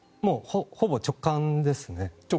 ほぼ直感ですね。